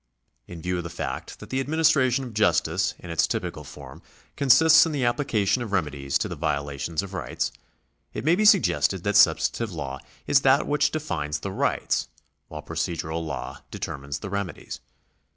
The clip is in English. In view of the fact that the administration of justice in its typical form consists in the application of remedies to the violations of rights, it may be suggested that substantive law is that which defines the rights, while procedural law determines the remedies.